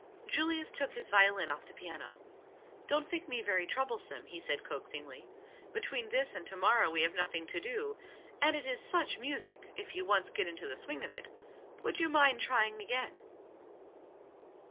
Julius took his violin off the pi ano. "Don't think me very troublesome," he said coaxingly. "Between this and to morrow we have nothing to do. And it is such music, if you once get into the swing of it! Would you mind trying again?"